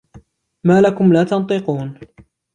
ما لكم لا تنطقون